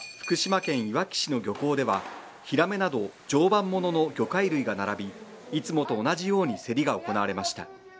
今朝、福島県いわき市の漁港ではヒラメなど常磐ものの魚介類が並び、いつもと同じように競りが行われました。